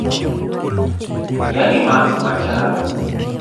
yani maks machal